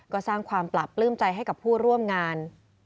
ก็สร้างความปราบปลื้มใจให้กับผู้ร่วมงาน